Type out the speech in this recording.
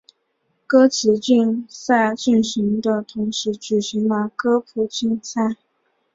歌词竞赛进行的同时举行了歌谱竞赛。